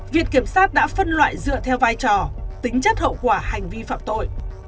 viện kiểm sát đã phân loại dựa theo vai trò tính chất hậu quả hành vi phạm tội